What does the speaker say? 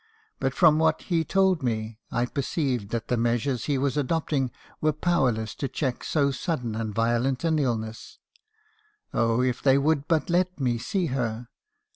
But from what he told me, I per ceived that the measures he was adopting were powerless to check so sudden and violent an illness. Oh! if they would but let me see her